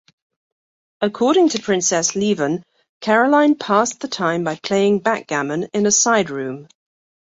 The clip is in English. According to Princess Lieven, Caroline passed the time by playing backgammon in a side-room.